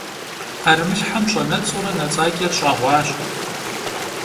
'erımılhhem ş'enets'ure yi nets'aç'er ş'eğuaş.